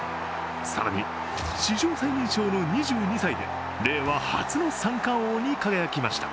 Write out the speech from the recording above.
更に史上最年少の２２歳で令和初の三冠王に輝きました。